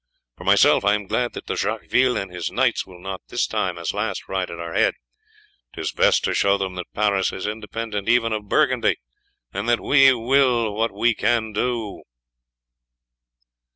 For myself, I am glad that De Jacqueville and his knights will not this time, as last, ride at our head; 'tis best to show them that Paris is independent even of Burgundy, and that what we will we can do."